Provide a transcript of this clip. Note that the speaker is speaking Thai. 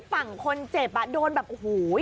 ฝั่งคนเจ็บอ่ะโดนแบบโอ้โห